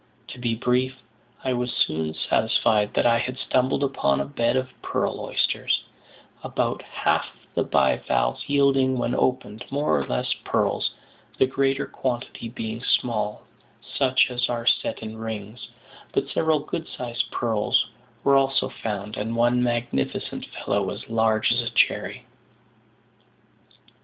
To be brief, I was soon satisfied that I had stumbled upon a bed of pearl oysters, about half of the bivalves yielding when opened more or less pearls, the greater quantity being small, such as are set in rings; but several good sized pearls were also found, and one magnificent fellow, as large as a cherry.